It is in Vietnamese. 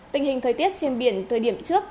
tình hình thời tiết trên biển thời điểm trước